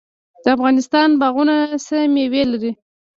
د افغانستان باغونه څه میوې لري؟